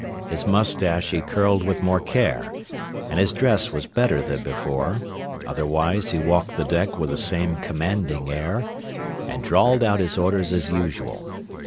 His mustache he curled with more care, and his dress was better than before, otherwise he walked the deck with the same commanding air, and drawled out his orders as usual.